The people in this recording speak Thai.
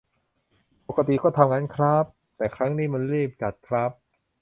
ปกติก็ทำงั้นคร้าบ แต่ครั้งนี้มันรีบจัดคร้าบ